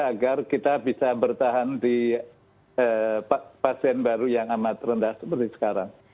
agar kita bisa bertahan di pasien baru yang amat rendah seperti sekarang